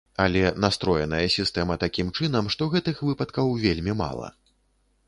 Але настроеная сістэма такім чынам, што гэтых выпадкаў вельмі мала.